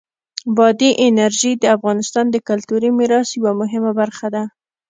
بادي انرژي د افغانستان د کلتوری میراث یوه مهمه برخه ده.